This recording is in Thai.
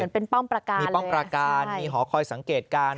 มีเป้าะประการมีหอคอยสังเกตการ